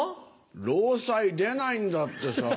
労災出ないんだってさ。